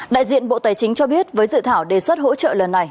đại diện bộ tài chính cho biết với dự thảo đề xuất hỗ trợ lần này